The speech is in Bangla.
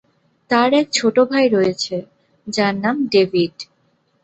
তার এক ছোট ভাই রয়েছে, যার নাম ডেভিড।